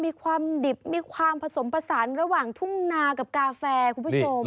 มีความดิบมีความผสมผสานระหว่างทุ่งนากับกาแฟคุณผู้ชม